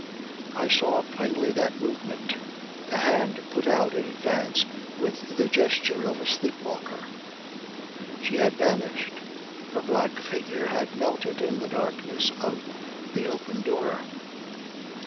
I saw plainly that movement, the hand put out in advance with the gesture of a sleep walker. She had vanished, her black figure had melted in the darkness of the open door.